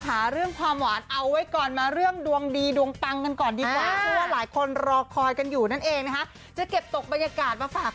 หาเรื่องความหวานเอาไว้ก่อนมาเรื่องดวงดีดวงปังกันก่อนดีกว่า